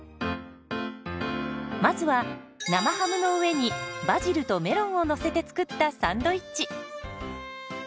まずは生ハムの上にバジルとメロンをのせて作ったサンドイッチ。